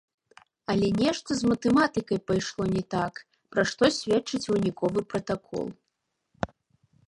Але нешта з матэматыкай пайшло не так, пра што сведчыць выніковы пратакол.